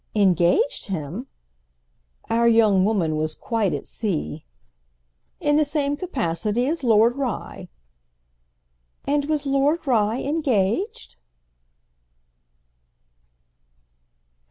"Engaged him?"—our young woman was quite at sea. "In the same capacity as Lord Rye." "And was Lord Rye engaged?"